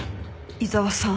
井沢さん